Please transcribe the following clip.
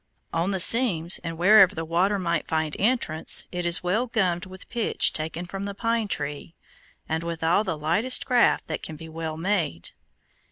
On the seams, and wherever the water might find entrance, it is well gummed with pitch taken from the pine tree, and withal the lightest craft that can well be made.